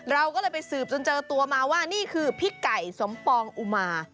เราก็เลยไปสืบจนเจอตัวมาว่านี่คือพี่ไก่สมปองอุมา